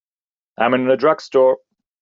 I'm in a drugstore.